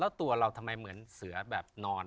แล้วตัวเราทำไมเหมือนเสือแบบนอน